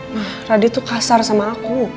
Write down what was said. ma radit tuh kasar sama aku